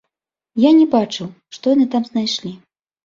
Я не бачыў, што яны там знайшлі.